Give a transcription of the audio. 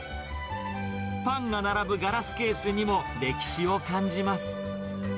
パンが並ぶガラスケースにも、歴史を感じます。